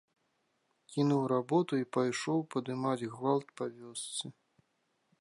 Кінуў работу і пайшоў падымаць гвалт па вёсцы.